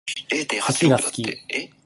寿司が好き